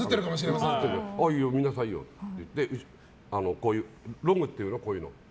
いいよ、見なさいよって言ってロムっていうの？